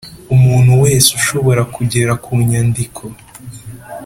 Umuntu wese ushobora kugera ku nyandiko